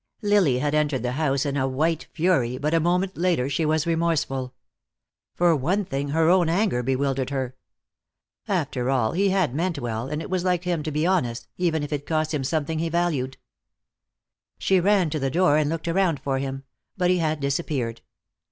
Lily had entered the house in a white fury, but a moment later she was remorseful. For one thing, her own anger bewildered her. After all, he had meant well, and it was like him to be honest, even if it cost him something he valued. She ran to the door and looked around for him, but he had disappeared.